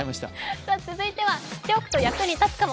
続いては知っておくと役に立つかも。